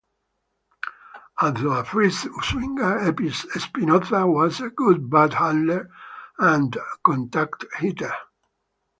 Although a free swinger, Espinoza was a good bat handler and contact hitter.